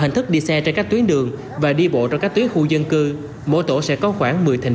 hình thức đi xe trên các tuyến đường và đi bộ trong các tuyến khu dân cư mỗi tổ sẽ có khoảng một mươi thành